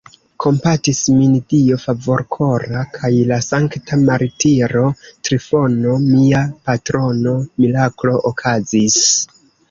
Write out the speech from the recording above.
Kompatis min Dio Favorkora kaj la sankta martiro Trifono, mia patrono: miraklo okazis!